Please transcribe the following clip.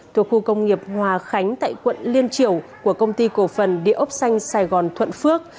thuộc khu công nghiệp hòa khánh tại quận liên triểu của công ty cổ phần địa ốc xanh sài gòn thuận phước